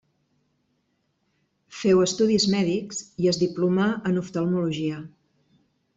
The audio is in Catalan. Feu estudis mèdics i es diplomà en oftalmologia.